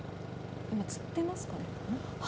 今釣ってますかね。